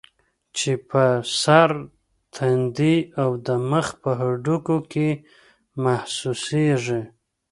چې پۀ سر ، تندي او د مخ پۀ هډوکو کې محسوسيږي